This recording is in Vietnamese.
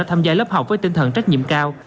tham gia lớp học với tinh thần trách nhiệm cao